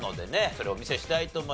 それをお見せしたいと思います。